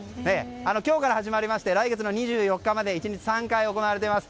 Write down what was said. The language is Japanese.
今日から始まりまして来月の２４日まで１日３回行われています。